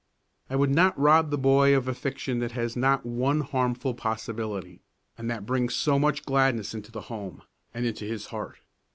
I would not rob the boy of a fiction that has not one harmful possibility, and that brings so much gladness into the home, and into his heart.